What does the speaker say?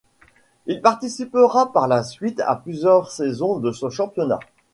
Il participera par la suite à plusieurs saisons de ce championnat.